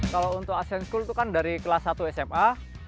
kalau untuk asean school itu kan dari kelas satu sma